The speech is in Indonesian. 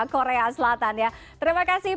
korea selatan terima kasih